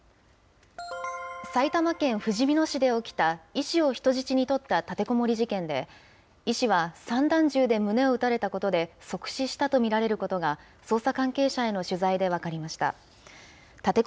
埼玉県ふじみ野市で起きた医師を人質に取った立てこもり事件で、医師は散弾銃で胸を撃たれたことで即死したと見られることが、捜査関係者への取材で分かりました。